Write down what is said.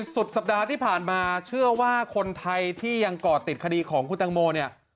สุดสัปดาห์ที่ผ่านมาเชื่อว่าคนไทยที่ยังก่อติดคดีของคุณตังโมเนี่ย